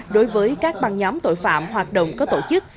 đối với các băng nhóm tội phạm hoạt động có tổ chức